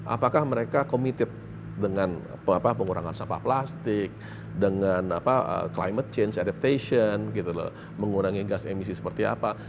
apakah mereka committed dengan pengurangan sampah plastik dengan climate change adaptation mengurangi gas emisi seperti apa